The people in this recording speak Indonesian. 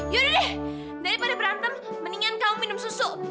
yaudah deh daripada berantem mendingan kau minum susu